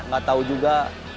nggak tahu juga